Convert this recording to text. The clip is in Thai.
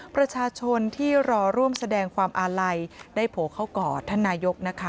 ประชาชนที่รอร่วมแสดงความอาลัยได้โผล่เข้ากอดท่านนายกนะคะ